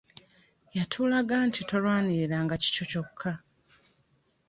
Yatulaga nti tolwanirira nga kikyo kyokka.